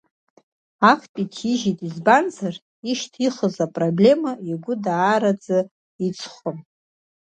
Актәи ҭижьит избанзар ишьҭыхыз апроблема игәы даараӡа иҵхон.